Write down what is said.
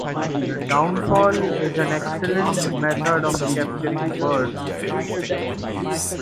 The downfall is an excellent method of capturing birds.